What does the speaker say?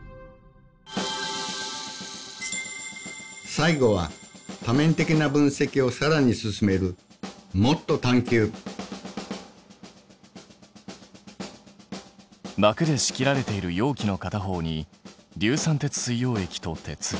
最後は多面的な分析をさらに進める膜で仕切られている容器の片方に硫酸鉄水溶液と鉄。